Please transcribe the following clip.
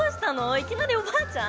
いきなりおばあちゃん？